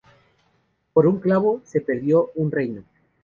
Por un clavo, se perdió un reino